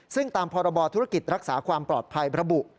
ซึ่งตามพรบธุรกิจรักษาความปลอดภัยระบุ